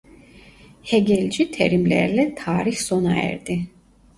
Hegelci terimlerle tarih sona erdi.